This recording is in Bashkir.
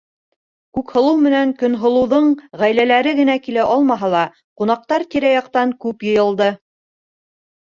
Күкһылыу менән Көнһылыуҙың ғаиләләре генә килә алмаһа ла, ҡунаҡтар тирә-яҡтан күп йыйылды.